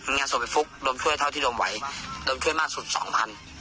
งานส่วนไปฟุกโดมช่วยเท่าที่โดมไหวโดมช่วยมากสุด๒๐๐๐บาท